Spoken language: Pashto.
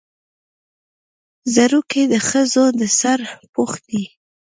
ځړوکی د ښځو د سر پوښ دی